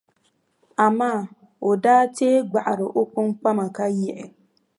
Amaa o daa tee gbaɣiri o kpuŋkpama ka yiɣi.